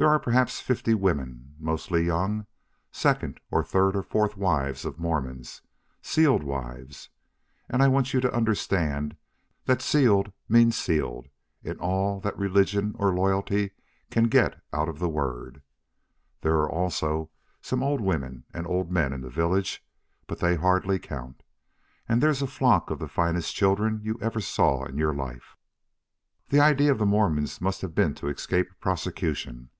There are perhaps fifty women, mostly young second or third or fourth wives of Mormons sealed wives. And I want you to understand that sealed means SEALED in all that religion or loyalty can get out of the word. There are also some old women and old men in the village, but they hardly count. And there's a flock of the finest children you ever saw in your life. "The idea of the Mormons must have been to escape prosecution.